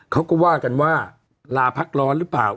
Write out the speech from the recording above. เขาก็ว่ากันว่าลาพักร้อนหรือเปล่า